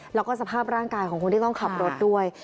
แล้วก็สภาพร่างกายของคนที่ต้องขับรถด้วย